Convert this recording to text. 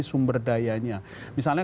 sumber dayanya misalnya